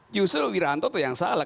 justru wiranto tuh yang salah